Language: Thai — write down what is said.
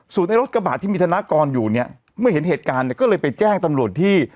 ส่วนไอ้รถกระบาดที่มีธนากรอยู่เนี่ยเมื่อเห็นเหตุการณ์เนี่ยก็เลยไปแจ้งตำรวจที่